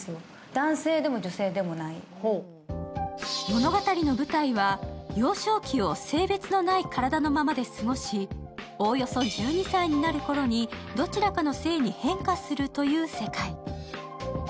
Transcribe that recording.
物語の舞台は、幼少期を性別のない体のままで過ごしおおよそ１２歳になるころにどちらかの性に変化するという世界。